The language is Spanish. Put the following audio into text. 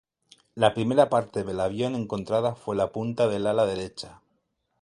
La primera parte del avión encontrada fue la punta del ala derecha.